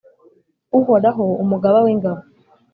,Uhoraho Umugaba w’ingabo,